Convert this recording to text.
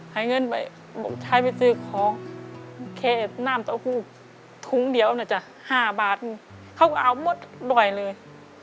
หายเงินไปเบาใช้ไปซื้อของแคน่ามเตาหู้ทุ่งเดียว๋เหมือนแจ๕บาทเขาก็เอาหมดบ่อยเลย